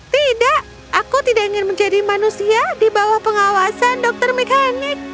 tidak aku tidak ingin menjadi manusia di bawah pengawasan dokter mekanik